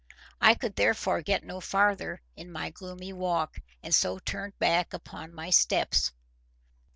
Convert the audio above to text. I could therefore get no farther in my gloomy walk, and so turned back upon my steps.